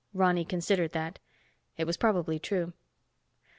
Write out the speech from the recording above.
Ronny considered that. It was probably true.